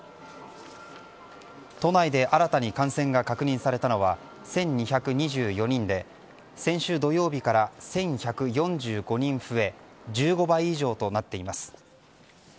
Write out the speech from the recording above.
都内で新たに感染が確認されたのは１２２４人で先週土曜日から１１４５人増え１５倍以上となっています。